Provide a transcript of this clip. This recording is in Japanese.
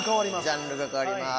ジャンルが変わります。